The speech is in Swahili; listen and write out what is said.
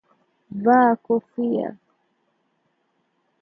Vaa kofia